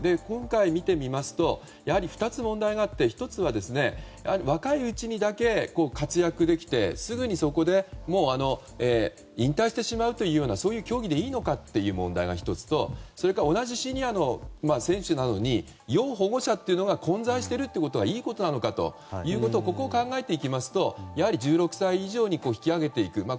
今回、見てみますとやはり２つ問題があって１つは若いうちにだけ活躍できてすぐにそこで引退してしまうようなそういう競技でいいのかという問題が１つとそれから同じシニアの選手なのに要保護者というのが混在していることがいいことなのかということここを考えていきますとやはり１６歳以上に引き上げていく。